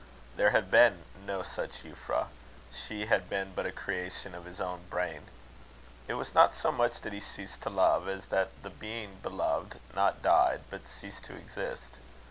There had been no such Euphra. She had been but a creation of his own brain. It was not so much that he ceased to love, as that the being beloved not died, but ceased to exist.